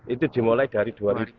itu dimulai dari